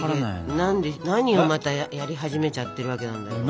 何をまたやり始めちゃってるわけなんだろうね。